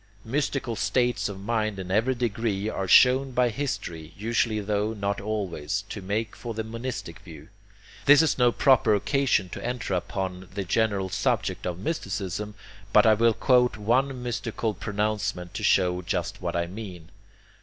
Mystical states of mind in every degree are shown by history, usually tho not always, to make for the monistic view. This is no proper occasion to enter upon the general subject of mysticism, but I will quote one mystical pronouncement to show just what I mean.